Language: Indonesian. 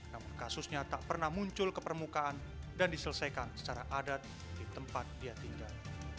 namun kasusnya tak pernah muncul ke permukaan dan diselesaikan secara adat di tempat dia tinggal